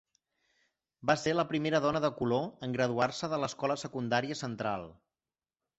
Va ser la primera dona de color en graduar-se de l'escola secundària Central.